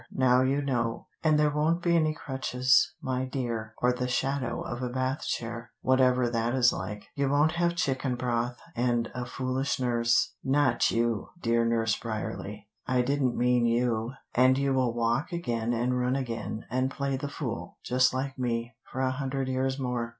Now you know, and there won't be any crutches, my dear, or the shadow of a Bath chair, whatever that is like. You won't have chicken broth, and a foolish nurse; not you, dear Nurse Bryerley, I didn't mean you, and you will walk again and run again, and play the fool, just like me, for a hundred years more.